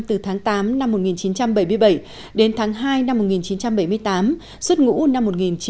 từ tháng tám năm một nghìn chín trăm bảy mươi bảy đến tháng hai năm một nghìn chín trăm bảy mươi tám xuất ngũ năm một nghìn chín trăm bảy mươi